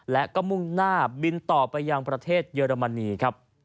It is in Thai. และก็มุ่งหน้าบินต่อไปยังประเทศเยอรมนีครับ